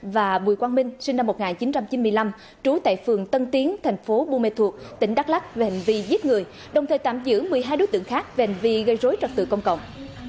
và bùi quang minh sinh năm một nghìn chín trăm chín mươi năm trú tại phường tân tiến thành phố buôn mê thuột tỉnh đắk lắc về hành vi giết người đồng thời tạm giữ một mươi hai đối tượng khác về hành vi gây rối trật tự công cộng